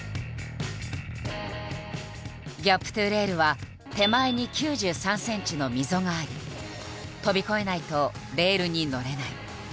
「ギャップｔｏレール」は手前に９３ｃｍの溝があり飛び越えないとレールに乗れない。